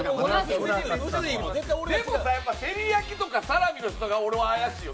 でもてりやきとかサラミの人が俺は怪しいよ。